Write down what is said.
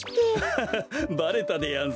ハハハばれたでやんすね。